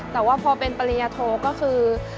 แต่ว่าพอเป็นปริญญาโทก็คือ